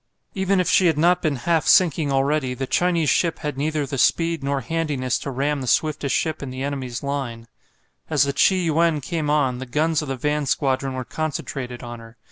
Even if she had not been half sinking already, the Chinese ship had neither the speed nor handiness to ram the swiftest ship in the enemy's line. As the "Chi yuen" came on, the guns of the van squadron were concentrated on her.